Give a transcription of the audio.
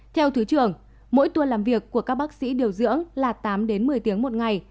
theo thứ trưởng mỗi tuần làm việc của các bác sĩ điều dưỡng là tám đến một mươi tiếng một ngày